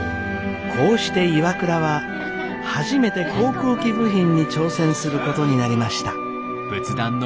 こうしてＩＷＡＫＵＲＡは初めて航空機部品に挑戦することになりました。